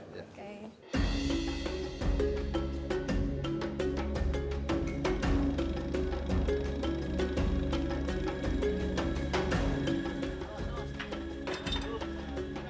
bisa berpengalaman ribuan